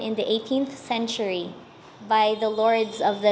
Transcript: là hữu ích ở một cách